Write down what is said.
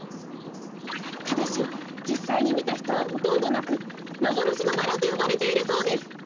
ただしじっさいにみたひとはほとんどなく「まぼろしのバラ」とよばれているそうです。